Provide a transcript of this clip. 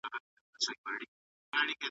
له بل لوري بله مینه سم راوړلای ,